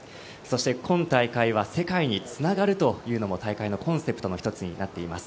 今大会は世界につながるというのも大会のコンセプトの一つになっています。